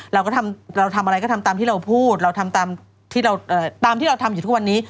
เราก็ทำเราทำอะไรก็ทำตามที่เราพูดเราทำตามที่เราทำอยู่ทุกวันนี้